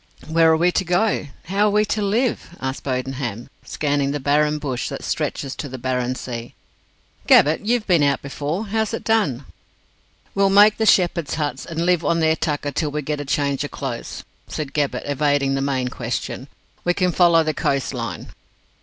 "Where are we to go? How are we to live?" asked Bodenham, scanning the barren bush that stretches to the barren sea. "Gabbett, you've been out before how's it done?" "We'll make the shepherds' huts, and live on their tucker till we get a change o' clothes," said Gabbett evading the main question. "We can follow the coast line."